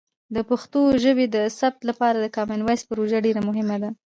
د پښتو ژبې د ثبت لپاره د کامن وایس پروژه ډیر مهمه ده.